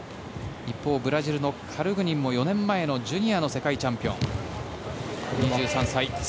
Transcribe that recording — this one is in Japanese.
一方、ブラジルのカルグニンも４年前のジュニアの世界チャンピオン。